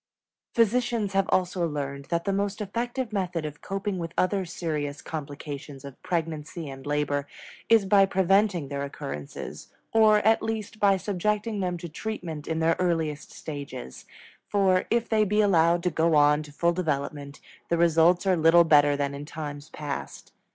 Physicians have also learned that the most effective method of coping with other serious complications of pregnancy and labor is by preventing their occurrence, or at least by subjecting them to treatment in their earliest stages; for, if they be allowed to go on to full development, the results are little better than in times past.